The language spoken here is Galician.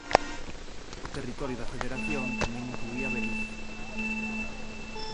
O territorio da federación tamén incluía Belize.